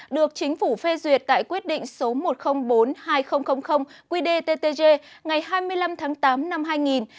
được chính phủ phê duyệt tại quyết định số một trăm linh bốn hai nghìn qdttg ngày hai mươi năm tháng tám năm hai nghìn